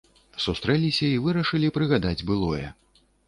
Сустрэліся, і вырашылі прыгадаць былое.